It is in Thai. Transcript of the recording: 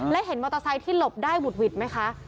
และเห็นมอเตอร์ไซค์ที่หลบได้หวุดหวิดไหมคะ